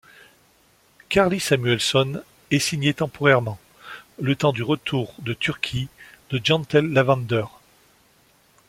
Karlie Samuelson est signée temporairement, le temps, du retour de Turquie de Jantel Lavender.